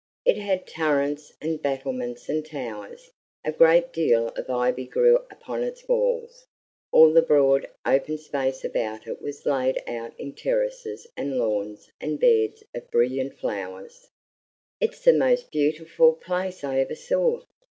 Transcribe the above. It had turrets and battlements and towers; a great deal of ivy grew upon its walls; all the broad, open space about it was laid out in terraces and lawns and beds of brilliant flowers. "It's the most beautiful place I ever saw!"